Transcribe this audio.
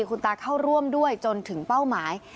คุณตาเข้าร่วมด้วยจนถึงเป้าหมาย